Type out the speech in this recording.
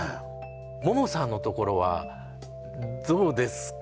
ももさんのところはどうですか？